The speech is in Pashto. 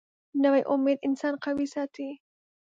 نوې امید انسان قوي ساتي